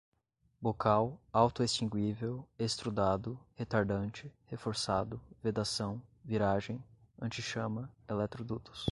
bocal, autoextinguível, extrudado, retardante, reforçado, vedação, viragem, antichama, eletrodutos